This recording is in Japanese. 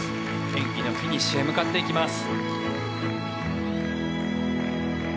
演技のフィニッシュへ向かっていきます。